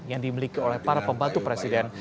yang dimiliki oleh para pembantu presiden